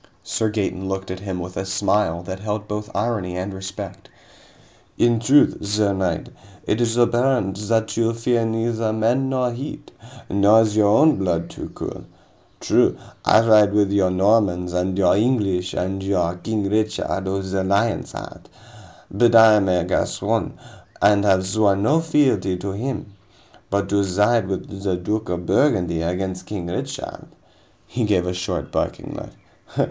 Sir Gaeton looked at him with a smile that held both irony and respect. "In truth, sir knight, it is apparent that you fear neither men nor heat. Nor is your own blood too cool. True, I ride with your Normans and your English and your King Richard of the Lion's Heart, but I am a Gascon, and have sworn no fealty to him. But to side with the Duke of Burgundy against King Richard " He gave a short, barking laugh.